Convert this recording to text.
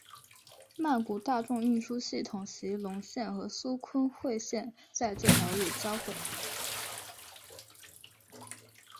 曼谷大众运输系统席隆线和苏坤蔚线在这条路交会。